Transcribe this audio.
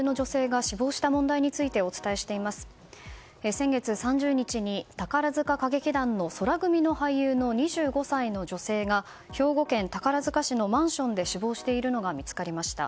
先月３０日に宝塚歌劇団の宙組の俳優の２５歳の女性が兵庫県宝塚市のマンションで死亡しているのが見つかりました。